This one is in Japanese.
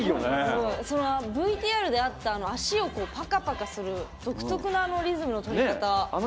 ＶＴＲであった足をパカパカする独特なリズムのとり方。